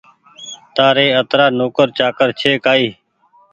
تآريِ اَترآ نوڪر چآڪر ڇي ڪآئي